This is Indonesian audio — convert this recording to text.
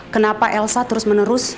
kenapa elsa terus menerus